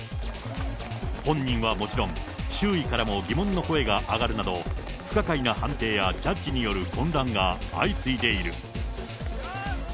本人はもちろん、周囲からも疑問の声が上がるなど、不可解な判定やジャッジによる混乱が相次いでいる。